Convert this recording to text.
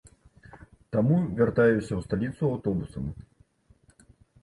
Таму вяртаюся ў сталіцу аўтобусам.